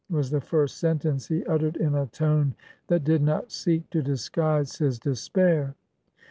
was the first sentence he uttered, in a tone that did not seek to dis guise his despair.